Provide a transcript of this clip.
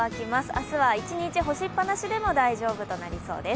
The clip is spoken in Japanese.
明日は一日干しっぱなしでも大丈夫となりそうです。